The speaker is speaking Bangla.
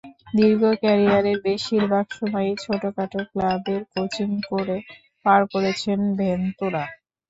দীর্ঘ ক্যারিয়ারের বেশির ভাগ সময়ই ছোটখাটো ক্লাবের কোচিং করে পার করেছেন ভেনতুরা।